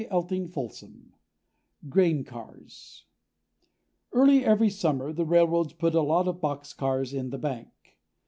GRAIN CARS Early every summer the railroads put a lot of boxcars in the bank.